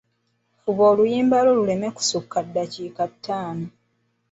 Fuba oluyimba lwo luleme kusukka ddakiika ttaano.